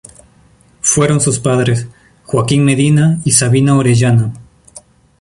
Fueron sus padres: Joaquín Medina y Sabina Orellana.